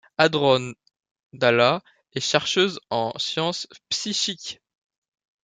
Hadron Dalla est chercheuse en science psychique.